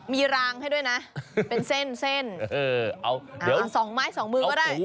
มีรางให้ด้วยนะเป็นเส้นเอาสองไม้สองมือก็ได้